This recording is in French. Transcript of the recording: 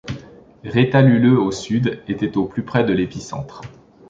Retalhuleu, au sud, était au plus près de l'épicentre.